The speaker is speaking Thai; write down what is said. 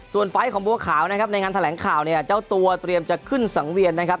ส่วนไฟล์ของบัวขาวนะครับในงานแถลงข่าวเนี่ยเจ้าตัวเตรียมจะขึ้นสังเวียนนะครับ